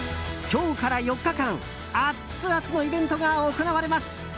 今日から４日間アッツアツのイベントが行われます。